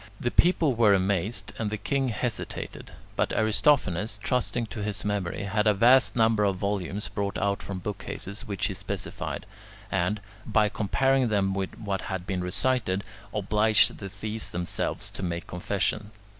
The people were amazed, and the king hesitated, but Aristophanes, trusting to his memory, had a vast number of volumes brought out from bookcases which he specified, and, by comparing them with what had been recited, obliged the thieves themselves to make confession.